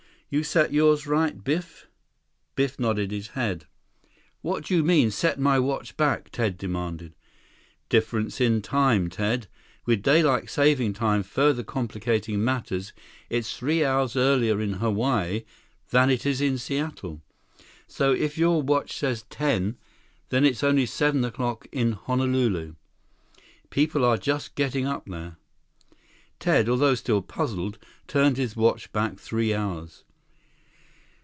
You set yours right, Biff?" Biff nodded his head. 20 "What do you mean, set my watch back?" Ted demanded. "Difference in time, Ted. With daylight saving time further complicating matters, it's three hours earlier in Hawaii than it is in Seattle. So, if your watch says ten, then it's only seven o'clock in Honolulu. People are just getting up there." Ted, although still puzzled, turned his watch back three hours.